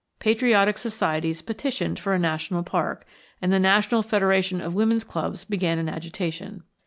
Patriotic societies petitioned for a national park, and the National Federation of Women's Clubs began an agitation.